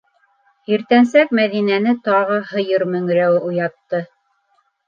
Иртәнсәк Мәҙинәне тағы һыйыр мөңрәүе уятты.